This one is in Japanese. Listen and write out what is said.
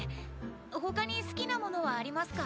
他に好きなものはありますか？